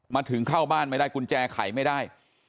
มาถึงเข้าบ้านไม่ได้กุญแจไขไม่ได้